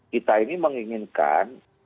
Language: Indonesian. kita ini menginginkan